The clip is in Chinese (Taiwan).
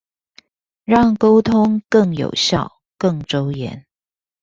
讓溝通更有效、更周延